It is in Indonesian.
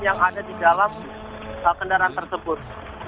yang ada di dalam kendaraan tersebut